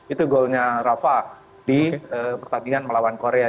itu goalnya rafa di pertandingan melawan korea